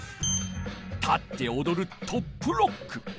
立っておどる「トップロック」。